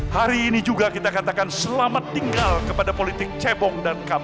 hari ini juga kita katakan selamat tinggal kepada politik cebong